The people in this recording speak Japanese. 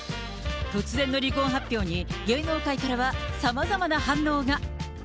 突然の離婚発表に、芸能界からは様々な反応が。